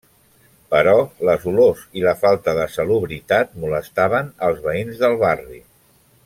Però les olors i la falta de salubritat molestaven als veïns del barri.